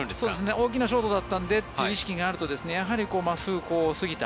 大きなショートだったのでという意識があるとやはり真っすぐすぎた。